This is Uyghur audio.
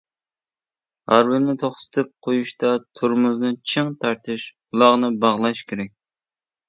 ھارۋىنى توختىتىپ قويۇشتا تورمۇزنى چىڭ تارتىش، ئۇلاغنى باغلاش كېرەك.